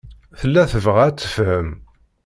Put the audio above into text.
Tella tebɣa ad tefhem.